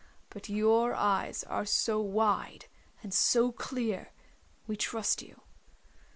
But your eyes are so wide and so clear, we trust you.